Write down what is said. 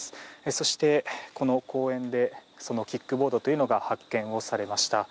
そして、この公園でそのキックボードというのが発見をされました。